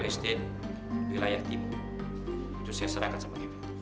selamat sore oma